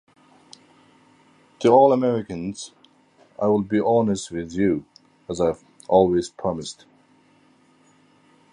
To all Americans, I will be honest with you, as I’ve always promised.